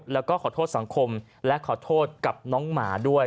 แล้วก็ขอโทษสังคมและขอโทษกับน้องหมาด้วย